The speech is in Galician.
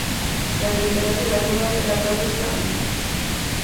Nas temperaturas non haberá grandes cambios.